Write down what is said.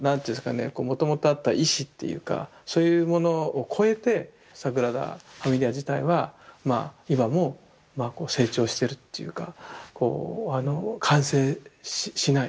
もともとあった意志っていうかそういうものを超えてサグラダ・ファミリア自体はまあ今もまあ成長してるっていうか完成しない。